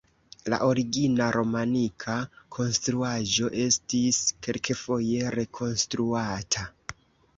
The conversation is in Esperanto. La origina romanika konstruaĵo estis kelkfoje rekonstruata.